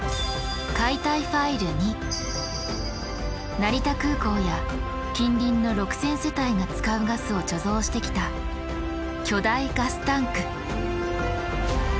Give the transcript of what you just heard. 成田空港や近隣の６，０００世帯が使うガスを貯蔵してきた巨大ガスタンク！